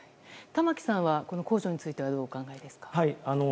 玉木さんは公助についてはどうお考えですか？